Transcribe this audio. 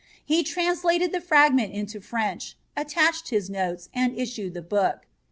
He translated the fragment into French, attached his notes, and issued the book.